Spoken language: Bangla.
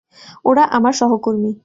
ওরা আমার সহকর্মী।